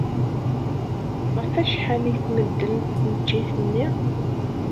Ɣef wacḥal ay tmeddel tneččit-nni?